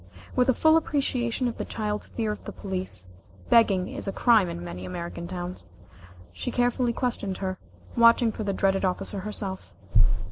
With a full appreciation of the child's fear of the police, begging is a crime in many American towns she carefully questioned her, watching for the dreaded officer herself.